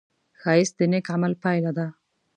ښایست د نېک عمل پایله ده